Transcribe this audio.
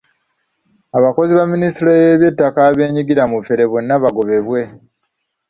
Abakozi ba Ministule y’Eby'ettaka abeenyigira mu bufere bonna bagobebwe.